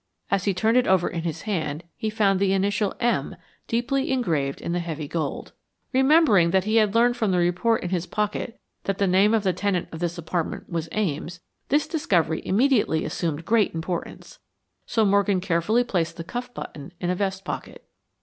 As he turned it over in his hand he found the initial "M" deeply engraved in the heavy gold. Remembering that he had learned from the report in his pocket that the name of the tenant of this apartment was Ames, this discovery immediately assumed great importance, so Morgan carefully placed the cuff button in a vest pocket.